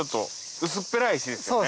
薄っぺらい石ですよね？